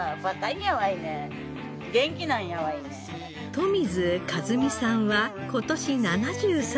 冨水和美さんは今年７３歳。